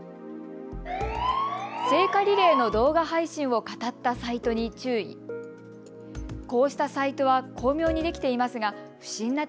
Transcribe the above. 聖火リレーの動画配信をかたったサイトに注意。